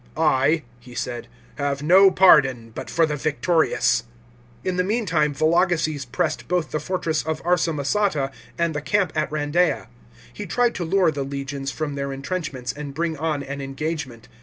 " I," he said, " have no pardon but for the victorious." In the meantime Vologeses pressed both the fortress of Arsamosata and the camp at Randeia. He tried to lure .the legions from their entrenchments, and bring on an engagement.